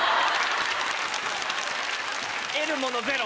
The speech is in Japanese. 得るものゼロ。